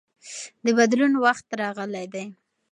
د بدلون وخت راغلی دی.